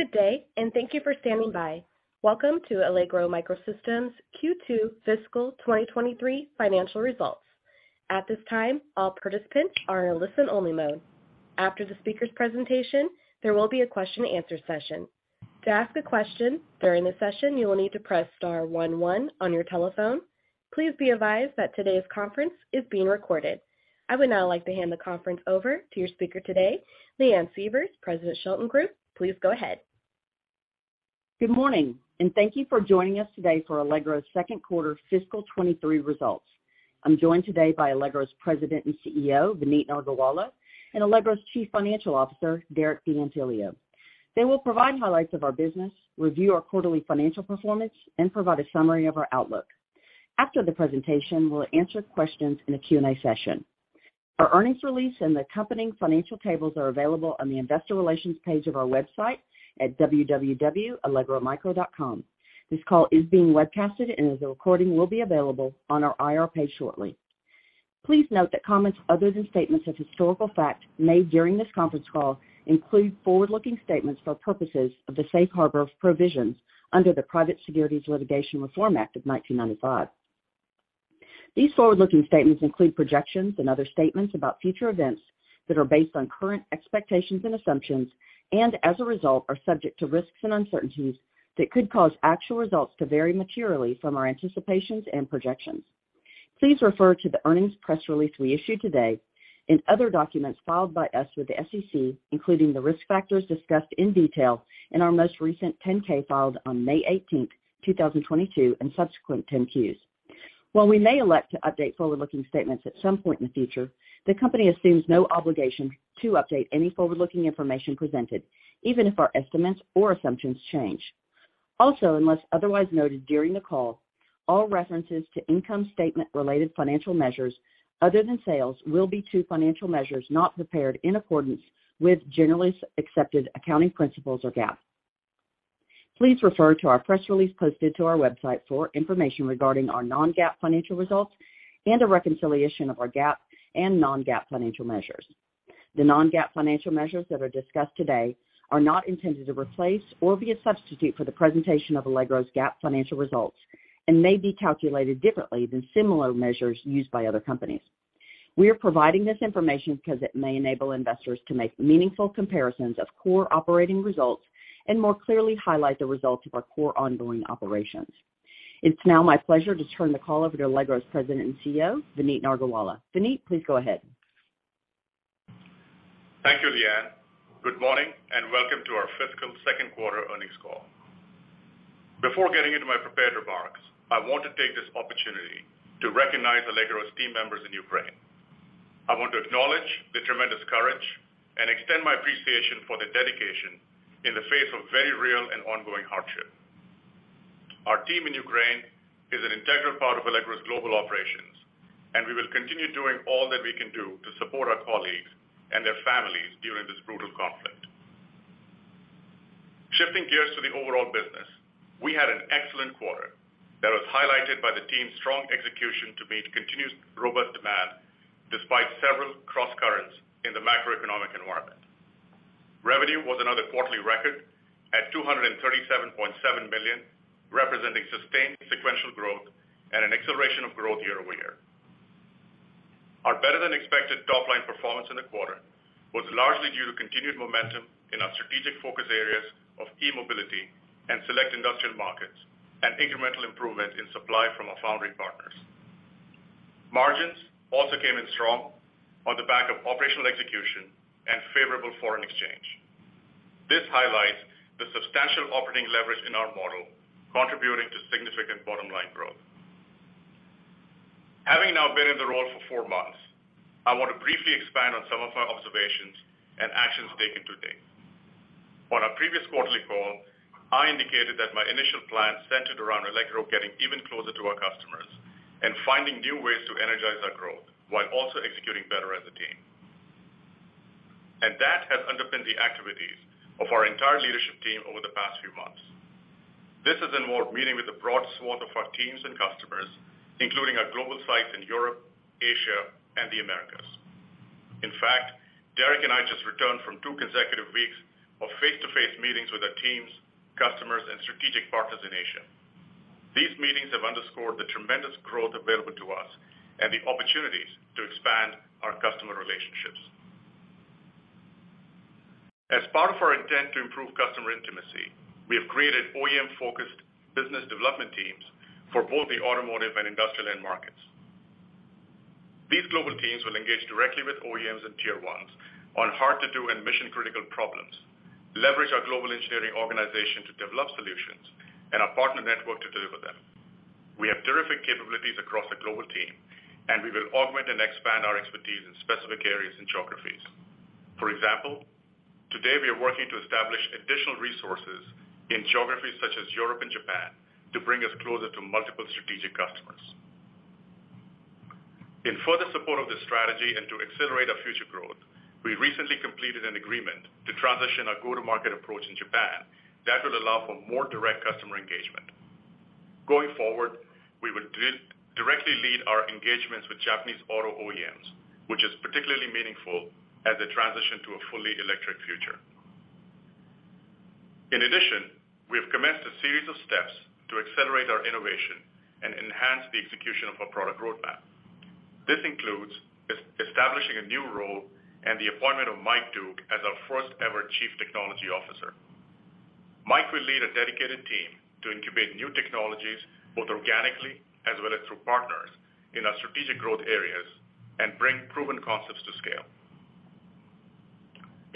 Good day, and thank you for standing by. Welcome to Allegro MicroSystems Q2 fiscal 2023 financial results. At this time, all participants are in a listen-only mode. After the speaker's presentation, there will be a question-and-answer session. To ask a question during the session, you will need to press star one one on your telephone. Please be advised that today's conference is being recorded. I would now like to hand the conference over to your speaker today, Leanne Sievers, President, Shelton Group. Please go ahead. Good morning, and thank you for joining us today for Allegro's second quarter fiscal 2023 results. I'm joined today by Allegro's President and CEO, Vineet Nargolwala, and Allegro's Chief Financial Officer, Derek D'Antilio. They will provide highlights of our business, review our quarterly financial performance, and provide a summary of our outlook. After the presentation, we'll answer questions in a Q&A session. Our earnings release and the accompanying financial tables are available on the investor relations page of our website at www.allegromicro.com. This call is being webcast, and the recording will be available on our IR page shortly. Please note that comments other than statements of historical fact made during this conference call include forward-looking statements for purposes of the Safe Harbor provisions under the Private Securities Litigation Reform Act of 1995. These forward-looking statements include projections and other statements about future events that are based on current expectations and assumptions, and as a result, are subject to risks and uncertainties that could cause actual results to vary materially from our anticipations and projections. Please refer to the earnings press release we issued today and other documents filed by us with the SEC, including the risk factors discussed in detail in our most recent 10-K filed on May 18th, 2022, and subsequent 10-Q. While we may elect to update forward-looking statements at some point in the future, the company assumes no obligation to update any forward-looking information presented, even if our estimates or assumptions change. Also, unless otherwise noted during the call, all references to income statement-related financial measures other than sales will be to financial measures not prepared in accordance with generally accepted accounting principles or GAAP. Please refer to our press release posted to our website for information regarding our non-GAAP financial results and a reconciliation of our GAAP and non-GAAP financial measures. The non-GAAP financial measures that are discussed today are not intended to replace or be a substitute for the presentation of Allegro's GAAP financial results and may be calculated differently than similar measures used by other companies. We are providing this information because it may enable investors to make meaningful comparisons of core operating results and more clearly highlight the results of our core ongoing operations. It's now my pleasure to turn the call over to Allegro's President and CEO, Vineet Nargolwala. Vineet, please go ahead. Thank you, Leanne. Good morning and welcome to our fiscal second quarter earnings call. Before getting into my prepared remarks, I want to take this opportunity to recognize Allegro's team members in Ukraine. I want to acknowledge the tremendous courage and extend my appreciation for their dedication in the face of very real and ongoing hardship. Our team in Ukraine is an integral part of Allegro's global operations, and we will continue doing all that we can do to support our colleagues and their families during this brutal conflict. Shifting gears to the overall business, we had an excellent quarter that was highlighted by the team's strong execution to meet continuous robust demand despite several cross-currents in the macroeconomic environment. Revenue was another quarterly record at $237.7 million, representing sustained sequential growth and an acceleration of growth year-over-year. Our better-than-expected top-line performance in the quarter was largely due to continued momentum in our strategic focus areas of e-mobility and select industrial markets and incremental improvement in supply from our foundry partners. Margins also came in strong on the back of operational execution and favorable foreign exchange. This highlights the substantial operating leverage in our model, contributing to significant bottom-line growth. Having now been in the role for four months, I want to briefly expand on some of my observations and actions taken today. On our previous quarterly call, I indicated that my initial plan centered around Allegro getting even closer to our customers and finding new ways to energize our growth while also executing better as a team. That has underpinned the activities of our entire leadership team over the past few months. This has involved meeting with a broad swath of our teams and customers, including our global sites in Europe, Asia, and the Americas. In fact, Derek and I just returned from two consecutive weeks of face-to-face meetings with our teams, customers, and strategic partners in Asia. These meetings have underscored the tremendous growth available to us and the opportunities to expand our customer relationships. As part of our intent to improve customer intimacy, we have created OEM-focused business development teams for both the automotive and industrial end markets. These global teams will engage directly with OEMs and tier ones on hard-to-do and mission-critical problems, leverage our global engineering organization to develop solutions, and our partner network to deliver them. We have terrific capabilities across the global team, and we will augment and expand our expertise in specific areas and geographies. For example, today we are working to establish additional resources in geographies such as Europe and Japan to bring us closer to multiple strategic customers. In further support of this strategy and to accelerate our future growth, we recently completed an agreement to transition our go-to-market approach in Japan that will allow for more direct customer engagement. Going forward, we will directly lead our engagements with Japanese auto OEMs, which is particularly meaningful as they transition to a fully electric future. In addition, we have commenced a series of steps to accelerate our innovation and enhance the execution of our product roadmap. This includes establishing a new role and the appointment of Mike Doogue as our first-ever Chief Technology Officer. Mike will lead a dedicated team to incubate new technologies both organically as well as through partners in our strategic growth areas and bring proven concepts to scale.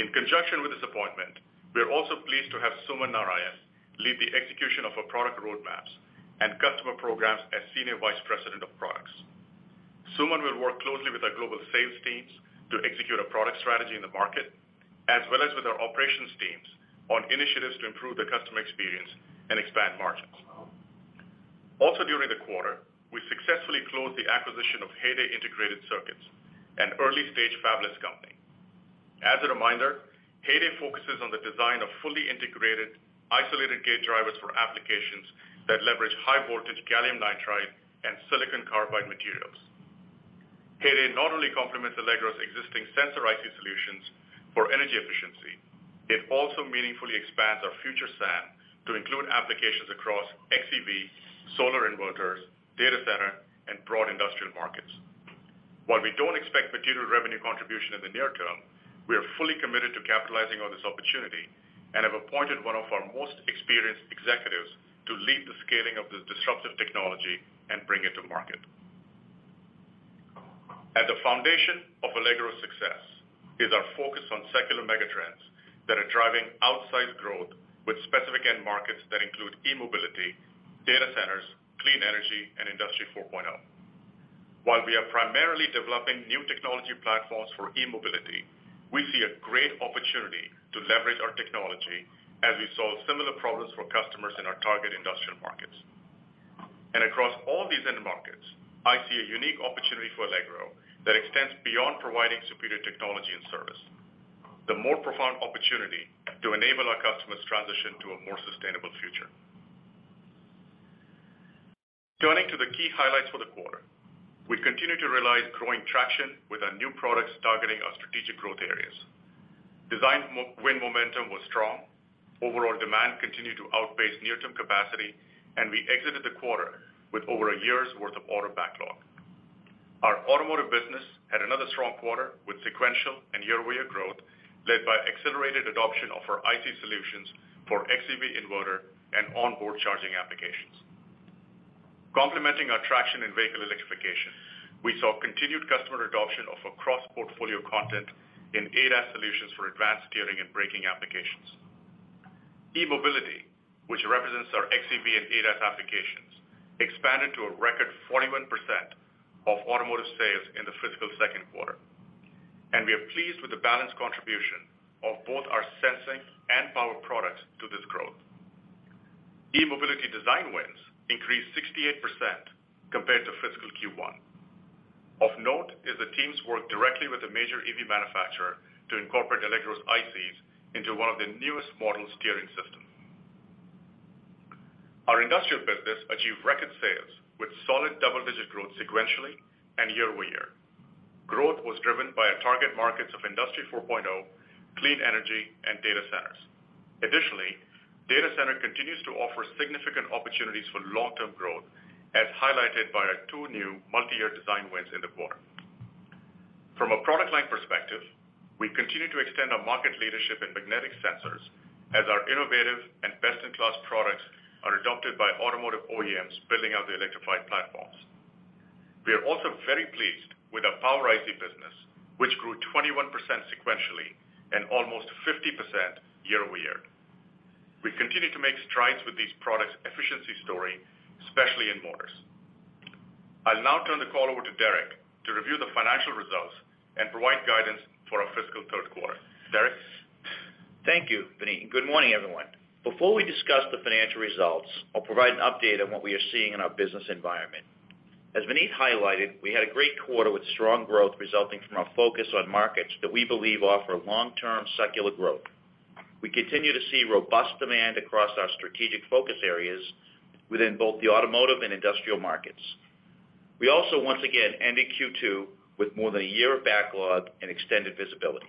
In conjunction with this appointment, we are also pleased to have Suman Narayan lead the execution of our product roadmaps and customer programs as Senior Vice President of Products. Suman will work closely with our global sales teams to execute a product strategy in the market, as well as with our operations teams on initiatives to improve the customer experience and expand margins. Also during the quarter, we successfully closed the acquisition of Heyday Integrated Circuits, an early-stage fabless company. As a reminder, Heyday focuses on the design of fully integrated isolated gate drivers for applications that leverage high-voltage gallium nitride and silicon carbide materials. Heyday not only complements Allegro's existing sensor IC solutions for energy efficiency, it also meaningfully expands our future SAM to include applications across XEV, solar inverters, data center, and broad industrial markets. While we don't expect material revenue contribution in the near term, we are fully committed to capitalizing on this opportunity and have appointed one of our most experienced executives to lead the scaling of this disruptive technology and bring it to market. At the foundation of Allegro's success is our focus on secular megatrends that are driving outsized growth with specific end markets that include e-mobility, data centers, clean energy, and Industry 4.0. While we are primarily developing new technology platforms for e-mobility, we see a great opportunity to leverage our technology as we solve similar problems for customers in our target industrial markets. Across all these end markets, I see a unique opportunity for Allegro that extends beyond providing superior technology and service, the more profound opportunity to enable our customers' transition to a more sustainable future. Turning to the key highlights for the quarter, we continue to realize growing traction with our new products targeting our strategic growth areas. Design win momentum was strong. Overall demand continued to outpace near-term capacity, and we exited the quarter with over a year's worth of auto backlog. Our automotive business had another strong quarter with sequential and year-over-year growth led by accelerated adoption of our IC solutions for XEV inverter and onboard charging applications. Complementing our traction in vehicle electrification, we saw continued customer adoption of our cross-portfolio content in ADAS solutions for advanced steering and braking applications. E-mobility, which represents our XEV and ADAS applications, expanded to a record 41% of automotive sales in the fiscal second quarter. We are pleased with the balanced contribution of both our sensing and power products to this growth. E-mobility design wins increased 68% compared to fiscal Q1. Of note is the team's work directly with a major EV manufacturer to incorporate Allegro's ICs into one of the newest model steering systems. Our industrial business achieved record sales with solid double-digit growth sequentially and year-over-year. Growth was driven by our target markets of Industry 4.0, clean energy, and data centers. Additionally, data center continues to offer significant opportunities for long-term growth as highlighted by our two new multi-year design wins in the quarter. From a product line perspective, we continue to extend our market leadership in magnetic sensors as our innovative and best-in-class products are adopted by automotive OEMs building out the electrified platforms. We are also very pleased with our power IC business, which grew 21% sequentially and almost 50% year-over-year. We continue to make strides with these products' efficiency story, especially in motors. I'll now turn the call over to Derek to review the financial results and provide guidance for our fiscal third quarter. Derek? Thank you, Vineet. Good morning, everyone. Before we discuss the financial results, I'll provide an update on what we are seeing in our business environment. As Vineet highlighted, we had a great quarter with strong growth resulting from our focus on markets that we believe offer long-term secular growth. We continue to see robust demand across our strategic focus areas within both the automotive and industrial markets. We also once again ended Q2 with more than a year of backlog and extended visibility.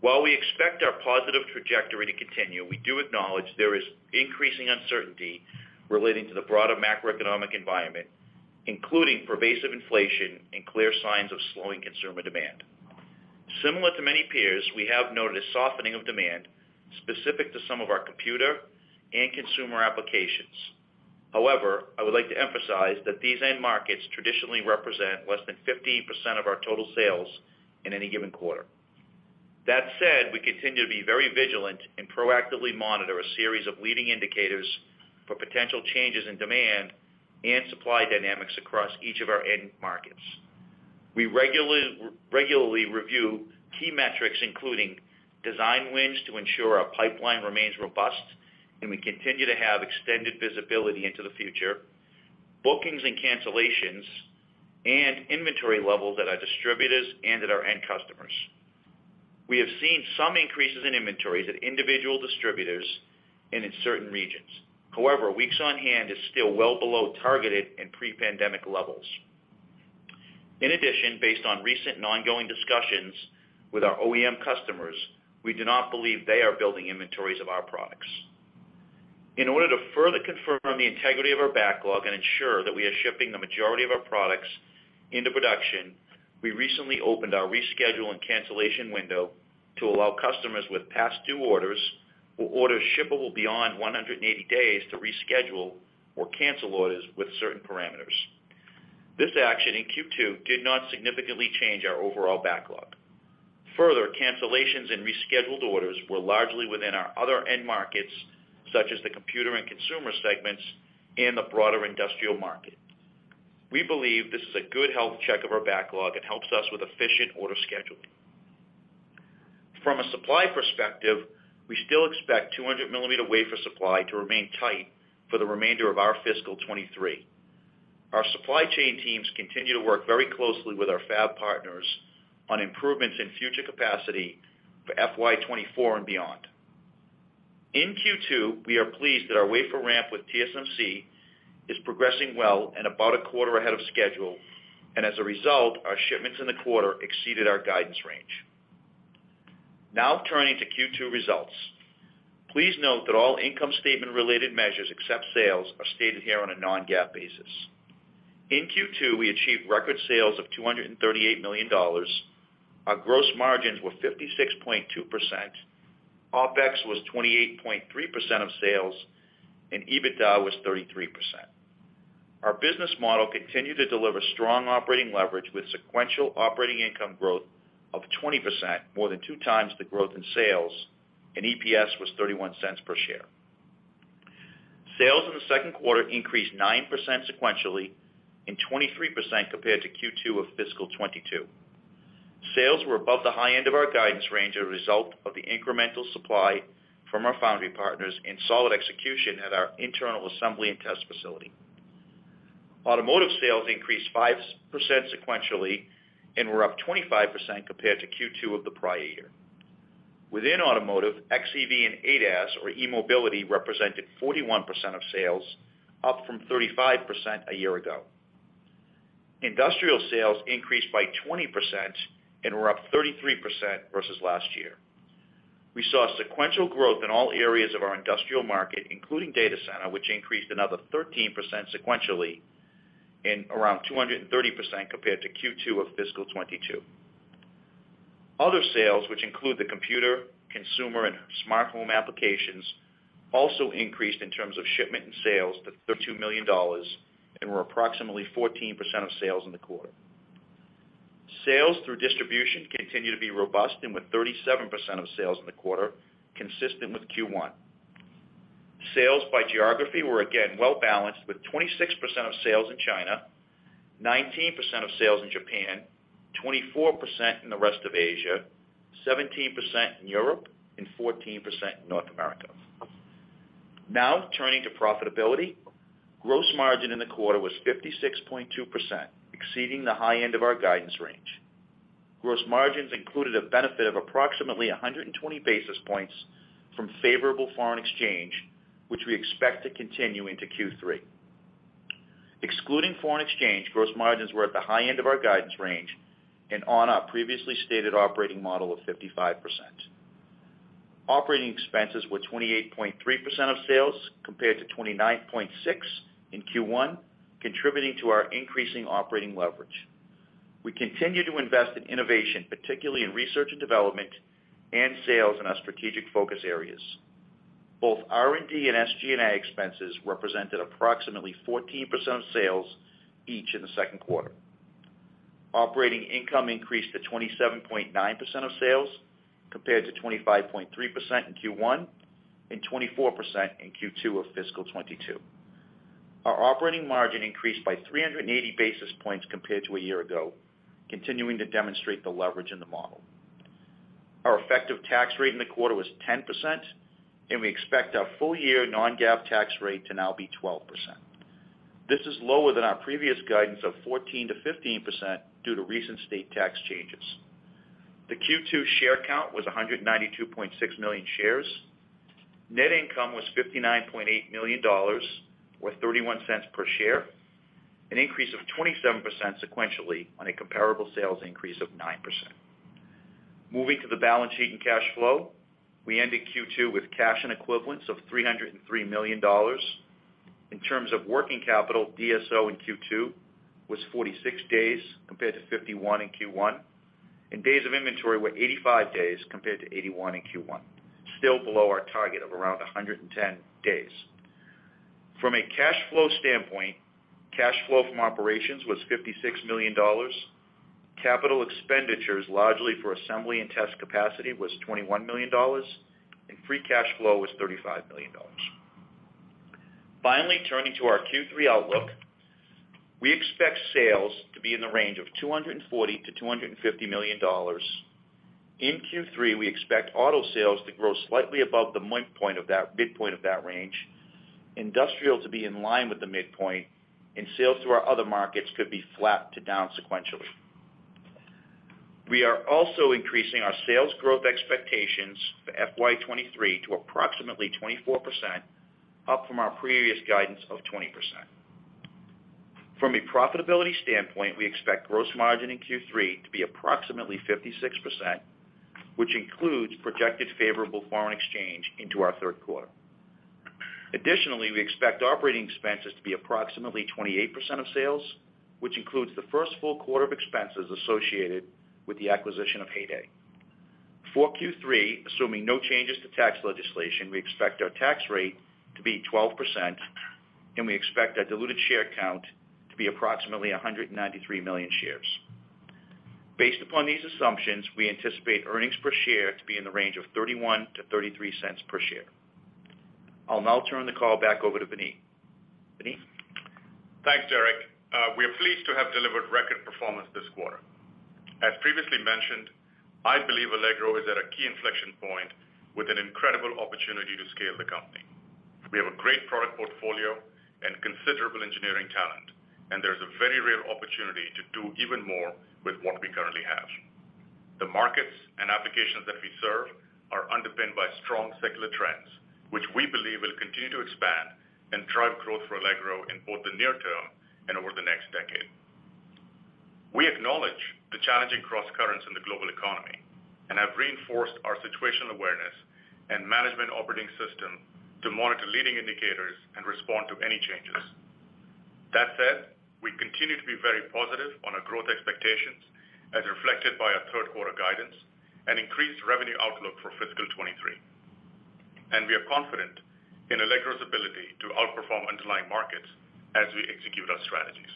While we expect our positive trajectory to continue, we do acknowledge there is increasing uncertainty relating to the broader macroeconomic environment, including pervasive inflation and clear signs of slowing consumer demand. Similar to many peers, we have noted a softening of demand specific to some of our computer and consumer applications. However, I would like to emphasize that these end markets traditionally represent less than 15% of our total sales in any given quarter. That said, we continue to be very vigilant and proactively monitor a series of leading indicators for potential changes in demand and supply dynamics across each of our end markets. We regularly review key metrics, including design wins to ensure our pipeline remains robust, and we continue to have extended visibility into the future, bookings and cancellations, and inventory levels at our distributors and at our end customers. We have seen some increases in inventories at individual distributors and in certain regions. However, weeks on hand is still well below targeted and pre-pandemic levels. In addition, based on recent and ongoing discussions with our OEM customers, we do not believe they are building inventories of our products. In order to further confirm the integrity of our backlog and ensure that we are shipping the majority of our products into production, we recently opened our reschedule and cancellation window to allow customers with past-due orders or orders shippable beyond 180 days to reschedule or cancel orders with certain parameters. This action in Q2 did not significantly change our overall backlog. Further, cancellations and rescheduled orders were largely within our other end markets such as the computer and consumer segments and the broader industrial market. We believe this is a good health check of our backlog and helps us with efficient order scheduling. From a supply perspective, we still expect 200 mm wafer supply to remain tight for the remainder of our fiscal 2023. Our supply chain teams continue to work very closely with our fab partners on improvements in future capacity for FY 2024 and beyond. In Q2, we are pleased that our wafer ramp with TSMC is progressing well and about a quarter ahead of schedule, and as a result, our shipments in the quarter exceeded our guidance range. Now turning to Q2 results. Please note that all income statement-related measures except sales are stated here on a non-GAAP basis. In Q2, we achieved record sales of $238 million. Our gross margins were 56.2%. OpEx was 28.3% of sales, and EBITDA was 33%. Our business model continued to deliver strong operating leverage with sequential operating income growth of 20%, more than 2x the growth in sales, and EPS was $0.31 per share. Sales in the second quarter increased 9% sequentially and 23% compared to Q2 of fiscal 2022. Sales were above the high end of our guidance range as a result of the incremental supply from our foundry partners and solid execution at our internal assembly and test facility. Automotive sales increased 5% sequentially and were up 25% compared to Q2 of the prior year. Within automotive, XEV and ADAS or e-mobility represented 41% of sales, up from 35% a year ago. Industrial sales increased by 20% and were up 33% versus last year. We saw sequential growth in all areas of our industrial market, including data center, which increased another 13% sequentially and around 230% compared to Q2 of fiscal 2022. Other sales, which include the computer, consumer, and smart home applications, also increased in terms of shipment and sales to $32 million and were approximately 14% of sales in the quarter. Sales through distribution continue to be robust and with 37% of sales in the quarter consistent with Q1. Sales by geography were again well balanced with 26% of sales in China, 19% of sales in Japan, 24% in the rest of Asia, 17% in Europe, and 14% in North America. Now turning to profitability, gross margin in the quarter was 56.2%, exceeding the high end of our guidance range. Gross margins included a benefit of approximately 120 basis points from favorable foreign exchange, which we expect to continue into Q3. Excluding foreign exchange, gross margins were at the high end of our guidance range and on our previously stated operating model of 55%. Operating expenses were 28.3% of sales compared to 29.6% in Q1, contributing to our increasing operating leverage. We continue to invest in innovation, particularly in research and development, and sales in our strategic focus areas. Both R&D and SG&A expenses represented approximately 14% of sales each in the second quarter. Operating income increased to 27.9% of sales compared to 25.3% in Q1 and 24% in Q2 of fiscal 2022. Our operating margin increased by 380 basis points compared to a year ago, continuing to demonstrate the leverage in the model. Our effective tax rate in the quarter was 10%, and we expect our full-year non-GAAP tax rate to now be 12%. This is lower than our previous guidance of 14%-15% due to recent state tax changes. The Q2 share count was 192.6 million shares. Net income was $59.8 million or $0.31 per share, an increase of 27% sequentially on a comparable sales increase of 9%. Moving to the balance sheet and cash flow, we ended Q2 with cash and equivalents of $303 million. In terms of working capital, DSO in Q2 was 46 days compared to 51 in Q1, and days of inventory were 85 days compared to 81 in Q1, still below our target of around 110 days. From a cash flow standpoint, cash flow from operations was $56 million. Capital expenditures, largely for assembly and test capacity, was $21 million, and free cash flow was $35 million. Finally, turning to our Q3 outlook, we expect sales to be in the range of $240-$250 million. In Q3, we expect auto sales to grow slightly above the midpoint of that range, industrial to be in line with the midpoint, and sales to our other markets could be flat to down sequentially. We are also increasing our sales growth expectations for FY 2023 to approximately 24%, up from our previous guidance of 20%. From a profitability standpoint, we expect gross margin in Q3 to be approximately 56%, which includes projected favorable foreign exchange into our third quarter. Additionally, we expect operating expenses to be approximately 28% of sales, which includes the first full quarter of expenses associated with the acquisition of Heyday. For Q3, assuming no changes to tax legislation, we expect our tax rate to be 12%, and we expect our diluted share count to be approximately 193 million shares. Based upon these assumptions, we anticipate earnings per share to be in the range of $0.31-$0.33 per share. I'll now turn the call back over to Vineet. Vineet? Thanks, Derek. We are pleased to have delivered record performance this quarter. As previously mentioned, I believe Allegro is at a key inflection point with an incredible opportunity to scale the company. We have a great product portfolio and considerable engineering talent, and there is a very real opportunity to do even more with what we currently have. The markets and applications that we serve are underpinned by strong secular trends, which we believe will continue to expand and drive growth for Allegro in both the near term and over the next decade. We acknowledge the challenging cross-currents in the global economy and have reinforced our situational awareness and management operating system to monitor leading indicators and respond to any changes. That said, we continue to be very positive on our growth expectations as reflected by our third quarter guidance and increased revenue outlook for fiscal 2023. We are confident in Allegro's ability to outperform underlying markets as we execute our strategies.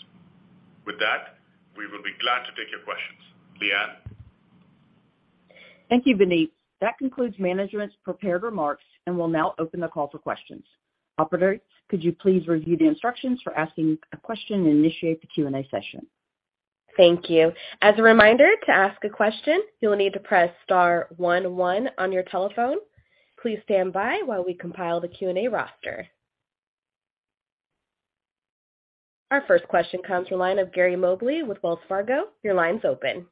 With that, we will be glad to take your questions. Leanne? Thank you, Vineet. That concludes management's prepared remarks and will now open the call for questions. Operator, could you please review the instructions for asking a question and initiate the Q&A session? Thank you. As a reminder, to ask a question, you'll need to press star one one on your telephone. Please stand by while we compile the Q&A roster. Our first question comes from line of Gary Mobley with Wells Fargo. Your line's open.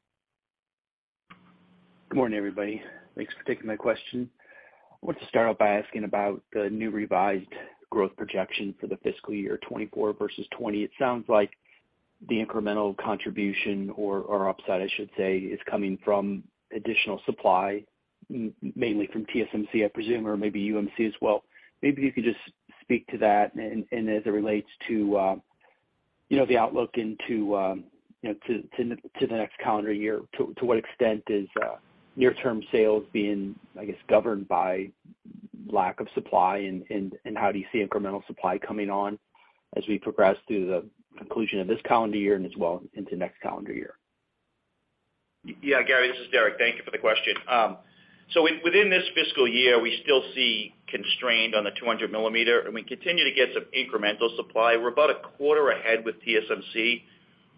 Good morning, everybody. Thanks for taking my question. I wanted to start off by asking about the new revised growth projection for the fiscal year 2024 versus 2020. It sounds like the incremental contribution or upside, I should say, is coming from additional supply, mainly from TSMC, I presume, or maybe UMC as well. Maybe you could just speak to that as it relates to the outlook into the next calendar year. To what extent is near-term sales being, I guess, governed by lack of supply, and how do you see incremental supply coming on as we progress through the conclusion of this calendar year and as well into next calendar year? Yeah, Gary, this is Derek. Thank you for the question. Within this fiscal year, we still see constrained on the 200 mm, and we continue to get some incremental supply. We're about a quarter ahead with TSMC,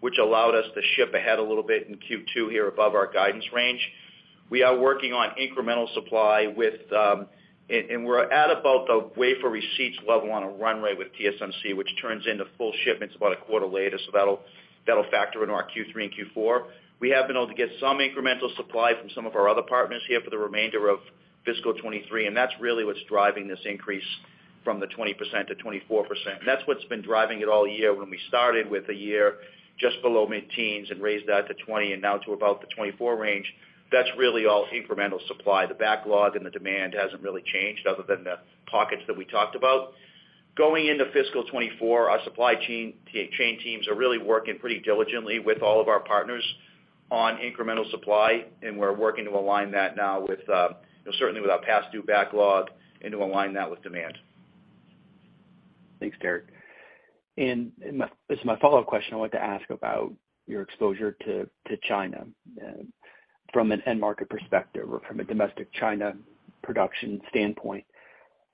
which allowed us to ship ahead a little bit in Q2 here above our guidance range. We are working on incremental supply, and we're at about the wafer receipts level on a run rate with TSMC, which turns into full shipments about a quarter later, so that'll factor into our Q3 and Q4. We have been able to get some incremental supply from some of our other partners here for the remainder of fiscal 2023, and that's really what's driving this increase from the 20%-24%. That's what's been driving it all year. When we started with a year just below mid-teens and raised that to 20 and now to about the 24 range, that's really all incremental supply. The backlog and the demand hasn't really changed other than the pockets that we talked about. Going into fiscal 2024, our supply chain teams are really working pretty diligently with all of our partners on incremental supply, and we're working to align that now with certainly with our past-due backlog and to align that with demand. Thanks, Derek. This is my follow-up question I wanted to ask about your exposure to China from an end market perspective or from a domestic China production standpoint.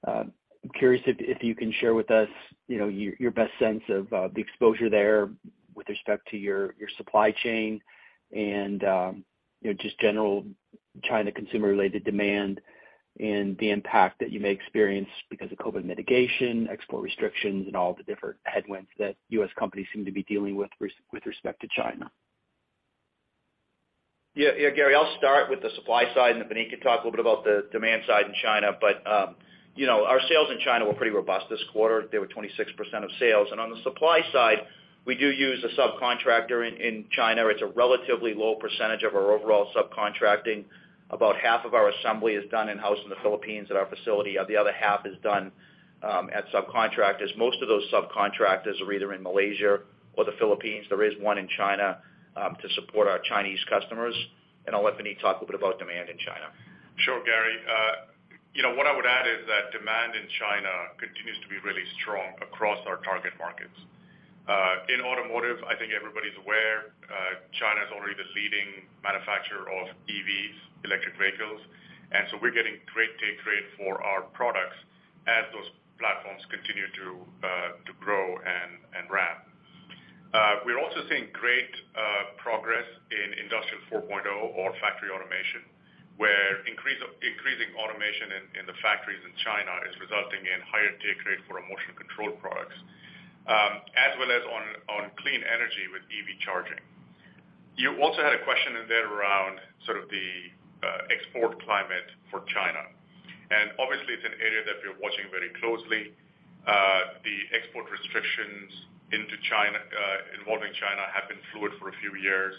I'm curious if you can share with us your best sense of the exposure there with respect to your supply chain and just general China consumer-related demand and the impact that you may experience because of COVID mitigation, export restrictions, and all the different headwinds that U.S. companies seem to be dealing with with respect to China. Yeah, Gary, I'll start with the supply side, and then Vineet can talk a little bit about the demand side in China. Our sales in China were pretty robust this quarter. They were 26% of sales. On the supply side, we do use a subcontractor in China. It's a relatively low percentage of our overall subcontracting. About half of our assembly is done in-house in the Philippines at our facility. The other half is done at subcontractors. Most of those subcontractors are either in Malaysia or the Philippines. There is one in China to support our Chinese customers. I'll let Vineet talk a little bit about demand in China. Sure, Gary. What I would add is that demand in China continues to be really strong across our target markets. In automotive, I think everybody's aware, China is already the leading manufacturer of EVs, electric vehicles. We're getting great take rate for our products as those platforms continue to grow and ramp. We're also seeing great progress in Industry 4.0 or factory automation, where increasing automation in the factories in China is resulting in higher take rate for motion control products as well as on clean energy with EV charging. You also had a question in there around sort of the export climate for China. Obviously, it's an area that we're watching very closely. The export restrictions involving China have been fluid for a few years.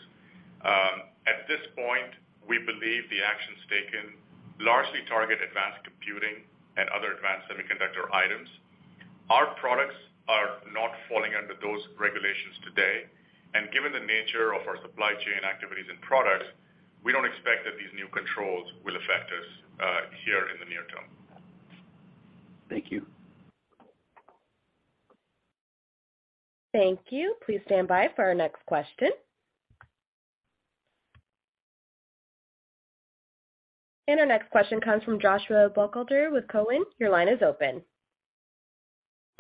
At this point, we believe the actions taken largely target advanced computing and other advanced semiconductor items. Our products are not falling under those regulations today. Given the nature of our supply chain activities and products, we don't expect that these new controls will affect us here in the near term. Thank you. Thank you. Please stand by for our next question. Our next question comes from Joshua Buchalter with TD Cowen. Your line is open.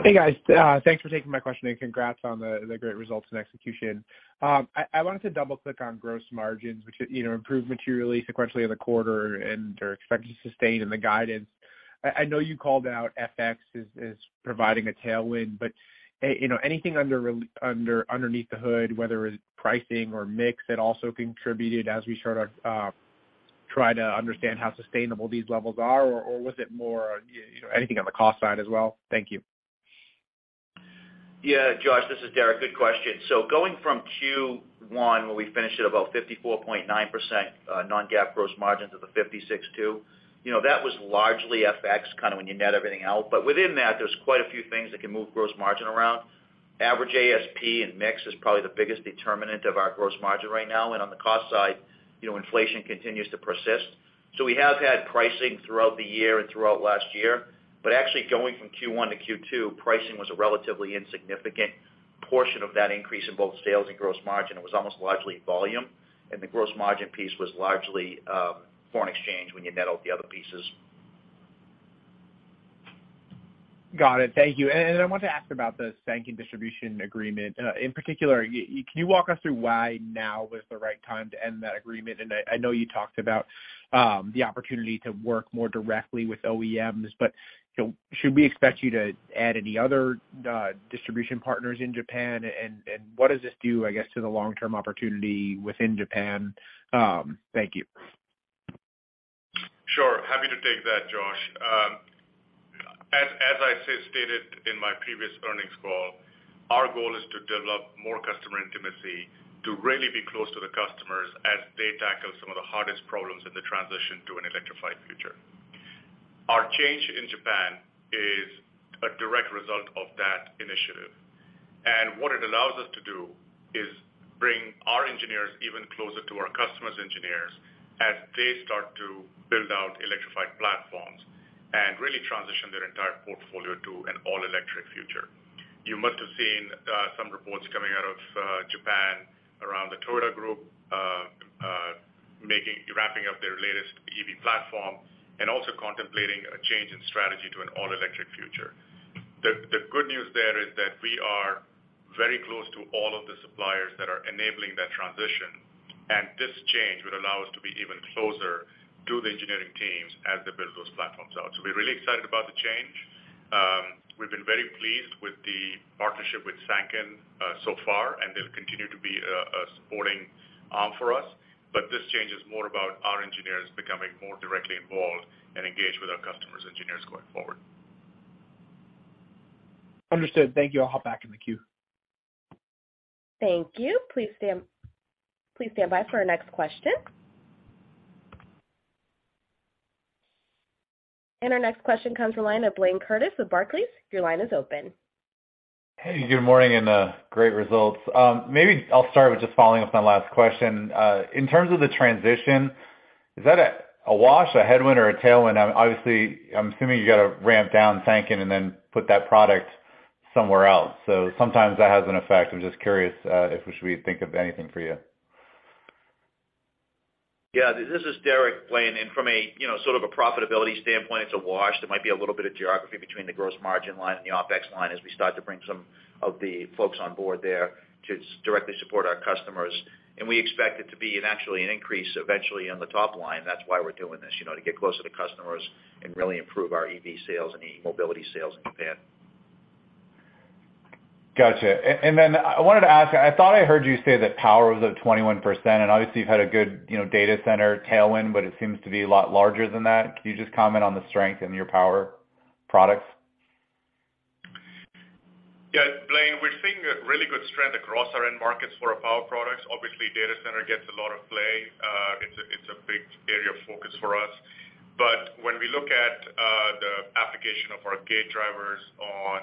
Hey, guys. Thanks for taking my question and congrats on the great results and execution. I wanted to double-click on gross margins, which improved materially sequentially in the quarter and are expected to sustain in the guidance. I know you called out FX as providing a tailwind, but anything underneath the hood, whether it's pricing or mix, that also contributed as we sort of try to understand how sustainable these levels are, or was it more anything on the cost side as well? Thank you. Yeah, Josh, this is Derek. Good question. Going from Q1, when we finished at about 54.9% non-GAAP gross margin to 56.2%, that was largely FX kind of when you net everything out. Within that, there's quite a few things that can move gross margin around. Average ASP and mix is probably the biggest determinant of our gross margin right now. On the cost side, inflation continues to persist. We have had pricing throughout the year and throughout last year. Actually, going from Q1 to Q2, pricing was a relatively insignificant portion of that increase in both sales and gross margin. It was almost largely volume. The gross margin piece was largely foreign exchange when you net out the other pieces. Got it. Thank you. I wanted to ask about the Sanken distribution agreement. In particular, can you walk us through why now was the right time to end that agreement? I know you talked about the opportunity to work more directly with OEMs, but should we expect you to add any other distribution partners in Japan? What does this do, I guess, to the long-term opportunity within Japan? Thank you. Sure. Happy to take that, Josh. As I stated in my previous earnings call, our goal is to develop more customer intimacy, to really be close to the customers as they tackle some of the hardest problems in the transition to an electrified future. Our change in Japan is a direct result of that initiative. What it allows us to do is bring our engineers even closer to our customers' engineers as they start to build out electrified platforms and really transition their entire portfolio to an all-electric future. You must have seen some reports coming out of Japan around the Toyota Group wrapping up their latest EV platform and also contemplating a change in strategy to an all-electric future. The good news there is that we are very close to all of the suppliers that are enabling that transition. This change would allow us to be even closer to the engineering teams as they build those platforms out. We're really excited about the change. We've been very pleased with the partnership with Sanken so far, and they'll continue to be a supporting arm for us. This change is more about our engineers becoming more directly involved and engaged with our customers' engineers going forward. Understood. Thank you. I'll hop back in the queue. Thank you. Please stand by for our next question. Our next question comes from line of Blayne Curtis with Barclays. Your line is open. Hey, good morning and great results. Maybe I'll start with just following up on that last question. In terms of the transition, is that a wash, a headwind, or a tailwind? Obviously, I'm assuming you got to ramp down Sanken and then put that product somewhere else. Sometimes that has an effect. I'm just curious if we should think of anything for you. Yeah, this is Derek D'Antilio. From sort of a profitability standpoint, it's a wash. There might be a little bit of geography between the gross margin line and the OPEX line as we start to bring some of the folks on board there to directly support our customers. We expect it to be actually an increase eventually on the top line. That's why we're doing this, to get closer to customers and really improve our EV sales and EV mobility sales in Japan. Gotcha. I wanted to ask, I thought I heard you say that power was at 21%. Obviously, you've had a good data center tailwind, but it seems to be a lot larger than that. Can you just comment on the strength in your power products? Yeah, Blayne, we're seeing really good strength across our end markets for our power products. Obviously, data center gets a lot of play. It's a big area of focus for us. But when we look at the application of our gate drivers on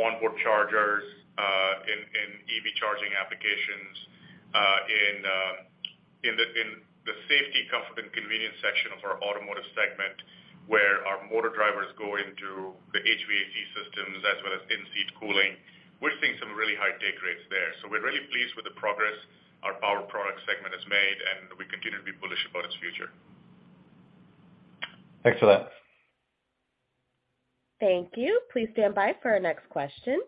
onboard chargers, in EV charging applications, in the safety, comfort, and convenience section of our automotive segment, where our motor drivers go into the HVAC systems as well as in-seat cooling, we're seeing some really high take rates there. We're really pleased with the progress our power product segment has made, and we continue to be bullish about its future. Excellent. Thank you. Please stand by for our next question.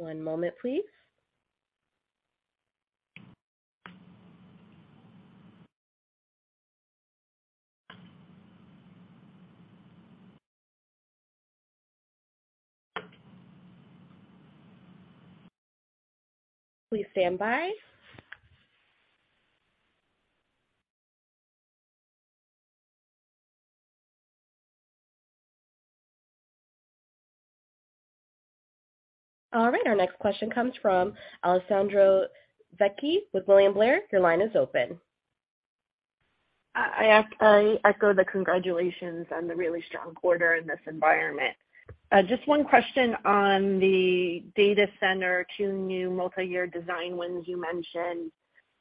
One moment, please. Please stand by. All right. Our next question comes from Alessandra Vecchi with William Blair. Your line is open. I echo the congratulations and the really strong quarter in this environment. Just one question on the data center two new multi-year design wins you mentioned.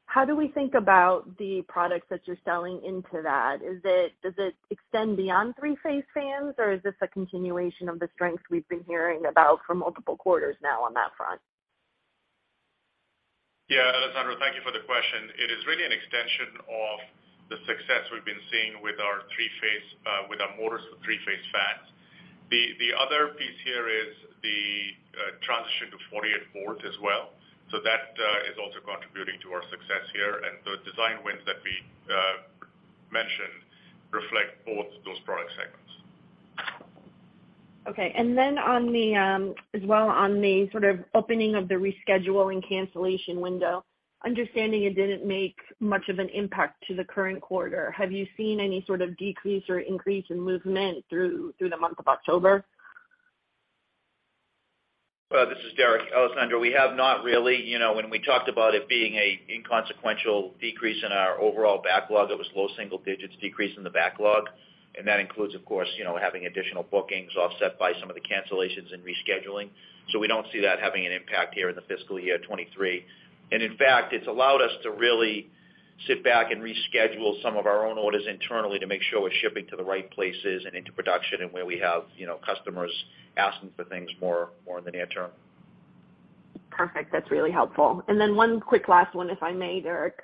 How do we think about the products that you're selling into that? Does it extend beyond three-phase fans, or is this a continuation of the strengths we've been hearing about for multiple quarters now on that front? Yeah, Alessandra, thank you for the question. It is really an extension of the success we've been seeing with our three-phase motors with three-phase fans. The other piece here is the transition to 48-volt as well. That is also contributing to our success here. The design wins that we mentioned reflect both those product segments. Okay. As well on the sort of opening of the reschedule and cancellation window, understanding it didn't make much of an impact to the current quarter, have you seen any sort of decrease or increase in movement through the month of October? This is Derek. Alessandra, we have not really. When we talked about it being an inconsequential decrease in our overall backlog, it was low single-digits decrease in the backlog. That includes, of course, having additional bookings offset by some of the cancellations and rescheduling. We don't see that having an impact here in the fiscal year 2023. In fact, it's allowed us to really sit back and reschedule some of our own orders internally to make sure we're shipping to the right places and into production and where we have customers asking for things more in the near term. Perfect. That's really helpful. One quick last one, if I may, Derek.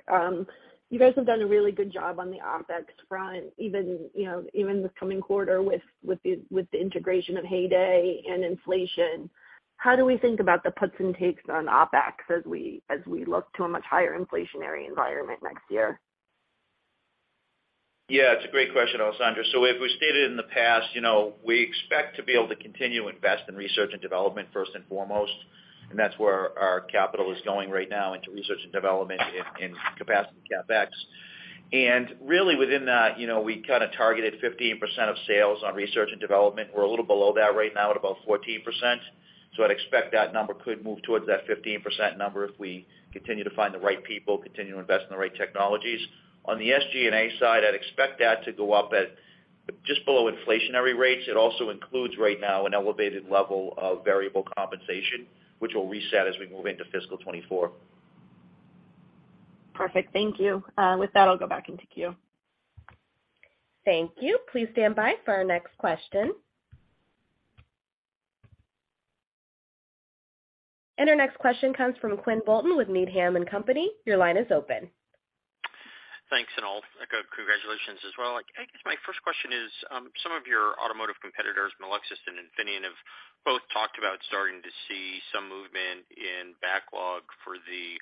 You guys have done a really good job on the OPEX front, even this coming quarter with the integration of Heyday and inflation. How do we think about the puts and takes on OPEX as we look to a much higher inflationary environment next year? Yeah, it's a great question, Alessandra. If we stated in the past, we expect to be able to continue to invest in research and development first and foremost. That's where our capital is going right now into research and development in capacity CapEx. Really, within that, we kind of targeted 15% of sales on research and development. We're a little below that right now at about 14%. I'd expect that number could move towards that 15% number if we continue to find the right people, continue to invest in the right technologies. On the SG&A side, I'd expect that to go up at just below inflationary rates. It also includes right now an elevated level of variable compensation, which will reset as we move into fiscal 2024. Perfect. Thank you. With that, I'll go back into queue. Thank you. Please stand by for our next question. Our next question comes from Quinn Bolton with Needham & Company. Your line is open. Thanks, Amy. Congratulations as well. I guess my first question is, some of your automotive competitors, Melexis and Infineon, have both talked about starting to see some movement in backlog for the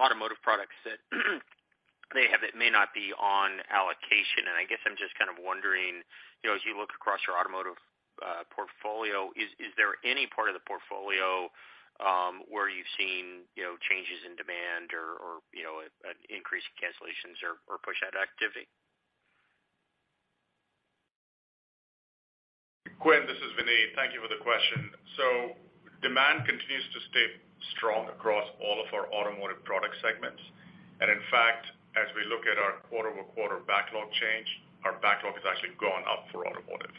automotive products that they have that may not be on allocation. I guess I'm just kind of wondering, as you look across your automotive portfolio, is there any part of the portfolio where you've seen changes in demand or an increase in cancellations or push-out activity? Quinn, this is Vineet. Thank you for the question. Demand continues to stay strong across all of our automotive product segments. In fact, as we look at our quarter-over-quarter backlog change, our backlog has actually gone up for automotive.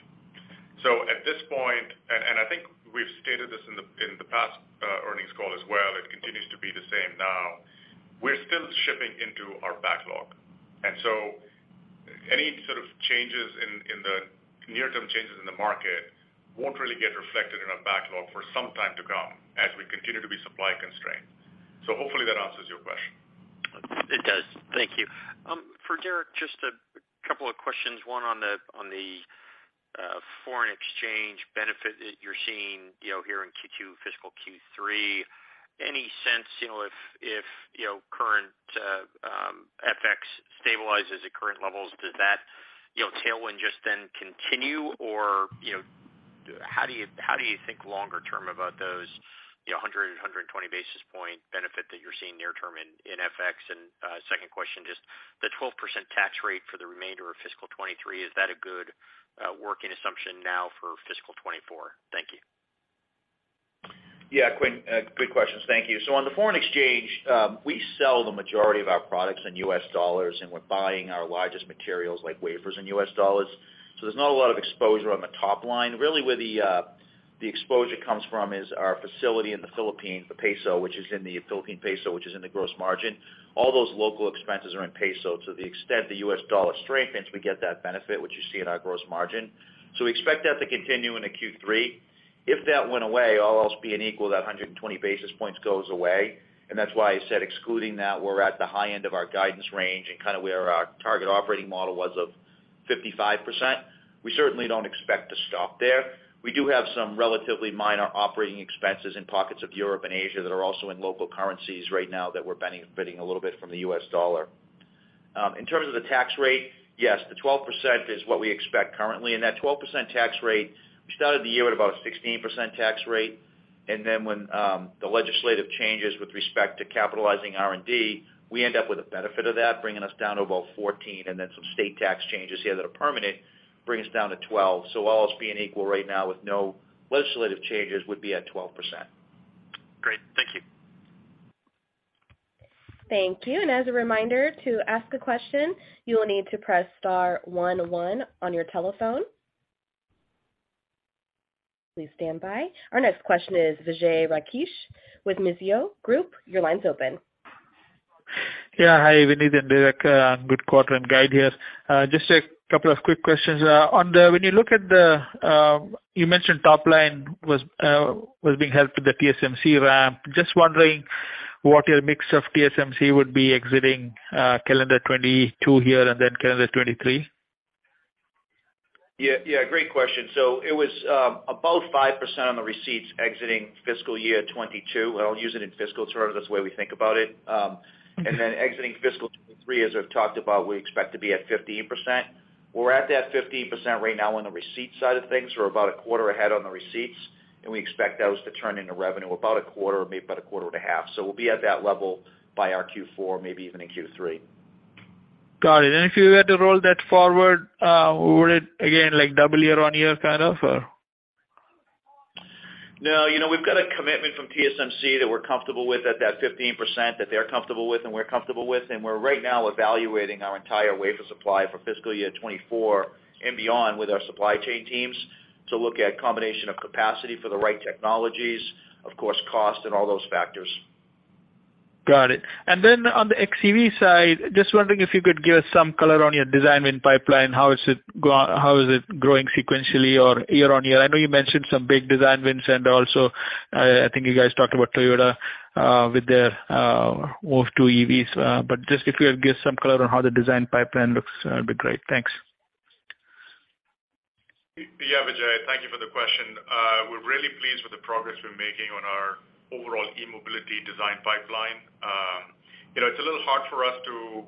At this point, and I think we've stated this in the past earnings call as well. It continues to be the same now. We're still shipping into our backlog. Any sort of near-term changes in the market won't really get reflected in our backlog for some time to come as we continue to be supply constrained. Hopefully, that answers your question. It does. Thank you. For Derek, just a couple of questions. One on the foreign exchange benefit that you're seeing here in Q2, fiscal Q3. Any sense if current FX stabilizes at current levels, does that tailwind just then continue, or how do you think longer-term about those 100 and 120 basis point benefit that you're seeing near-term in FX? Second question, just the 12% tax rate for the remainder of fiscal 2023, is that a good working assumption now for fiscal 2024? Thank you. Yeah, Quinn, good questions. Thank you. On the foreign exchange, we sell the majority of our products in U.S. dollars, and we're buying our largest materials like wafers in U.S. dollars. There's not a lot of exposure on the top line. Really, where the exposure comes from is our facility in the Philippines, the peso, which is in the Philippine peso, which is in the gross margin. All those local expenses are in peso. To the extent the U.S. dollar strengthens, we get that benefit, which you see in our gross margin. We expect that to continue into Q3. If that went away, all else being equal, that 120 basis points goes away. That's why I said excluding that, we're at the high end of our guidance range, and kind of where our target operating model was of 55%. We certainly don't expect to stop there. We do have some relatively minor operating expenses in pockets of Europe and Asia that are also in local currencies right now that we're benefiting a little bit from the U.S. dollar. In terms of the tax rate, yes, the 12% is what we expect currently. That 12% tax rate, we started the year at about a 16% tax rate. Then when the legislative changes with respect to capitalizing R&D, we end up with a benefit of that bringing us down to about 14%. Then some state tax changes here that are permanent bring us down to 12%. All else being equal right now with no legislative changes would be at 12%. Great. Thank you. Thank you. As a reminder, to ask a question, you will need to press star one one on your telephone. Please stand by. Our next question is Vijay Rakesh with Mizuho Securities. Your line's open. Yeah, hi, Vineet and Derek. Good quarter and guide here. Just a couple of quick questions. When you look at, you mentioned top line was being helped with the TSMC ramp. Just wondering what your mix of TSMC would be exiting calendar 2022 here and then calendar 2023? Yeah, great question. It was about 5% on the receipts exiting fiscal year 2022. I'll use it in fiscal terms. That's the way we think about it. Then exiting fiscal 2023, as we've talked about, we expect to be at 15%. We're at that 15% right now on the receipts side of things. We're about a quarter ahead on the receipts, and we expect those to turn into revenue about a quarter, maybe about a quarter and a half. We'll be at that level by our Q4, maybe even in Q3. Got it. If you were to roll that forward, would it, again, double year on year kind of, or? No, we've got a commitment from TSMC that we're comfortable with at that 15% that they're comfortable with and we're comfortable with. We're right now evaluating our entire wafer supply for fiscal year 2024 and beyond with our supply chain teams to look at combination of capacity for the right technologies, of course, cost, and all those factors. Got it. Then on the XEV side, just wondering if you could give us some color on your design win pipeline, how is it growing sequentially or year on year. I know you mentioned some big design wins, and also I think you guys talked about Toyota with their move to EVs. Just if you could give some color on how the design pipeline looks, that'd be great. Thanks. Yeah, Vijay, thank you for the question. We're really pleased with the progress we're making on our overall e-mobility design pipeline. It's a little hard for us to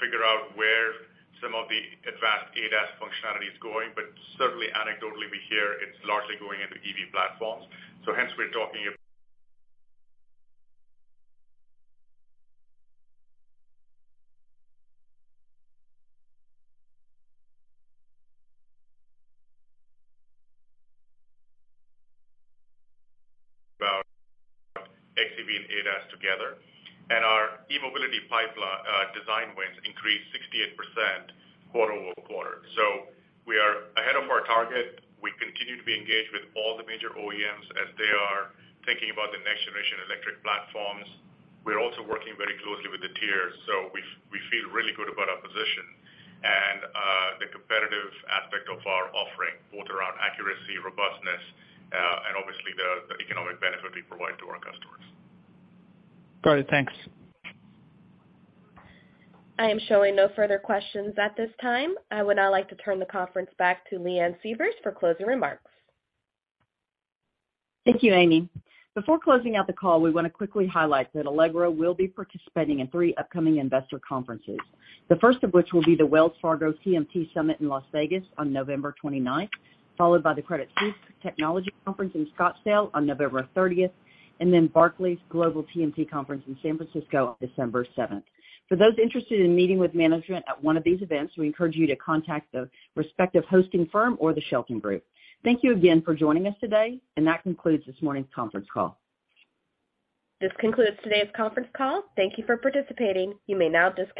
figure out where some of the advanced ADAS functionality is going, but certainly, anecdotally, we hear it's largely going into EV platforms. We're talking about XEV and ADAS together. Our e-mobility design wins increased 68% quarter-over-quarter. We are ahead of our target. We continue to be engaged with all the major OEMs as they are thinking about the next generation electric platforms. We're also working very closely with the tiers. We feel really good about our position and the competitive aspect of our offering, both around accuracy, robustness, and obviously, the economic benefit we provide to our customers. Got it. Thanks. I am showing no further questions at this time. I would now like to turn the conference back to Leanne Sievers for closing remarks. Thank you, Amy. Before closing out the call, we want to quickly highlight that Allegro will be participating in three upcoming investor conferences, the first of which will be the Wells Fargo TMT Summit in Las Vegas on November 29th, followed by the Credit Suisse Technology Conference in Scottsdale on November 30th, and then Barclays Global TMT Conference in San Francisco on December 7th. For those interested in meeting with management at one of these events, we encourage you to contact the respective hosting firm or the Shelton Group. Thank you again for joining us today, and that concludes this morning's conference call. This concludes today's conference call. Thank you for participating. You may now disconnect.